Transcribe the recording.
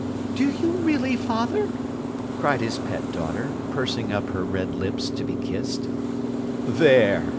Do you really, father?' cried his pet daughter, pursing up her red lips to be kissed. 'There!